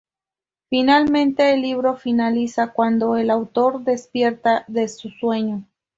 Finalmente, el libro finaliza cuando el autor despierta de su sueño.